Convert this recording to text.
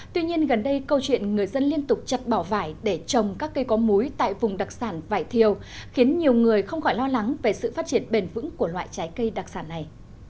tuy nhiên gần đây câu chuyện người dân liên tục chặt bỏ vải để trồng các cây có múi tại vùng đặc sản vải thiều khiến nhiều người không khỏi lo lắng về sự phát triển bền vững của loại trái cây đặc sản này